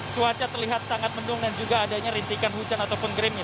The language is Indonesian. cuaca terlihat sangat mendung dan juga adanya rintikan hujan ataupun gerimnya